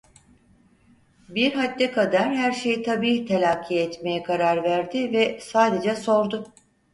Bir hadde kadar her şeyi tabii telakki etmeye karar verdi ve sadece sordu: